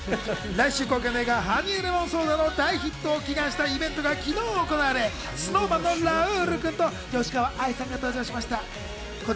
来週公開の映画『ハニーレモンソーダ』の大ヒットを祈願したイベントが昨日、行われＳｎｏｗＭａｎのラウール君と吉川愛さんが登場しました。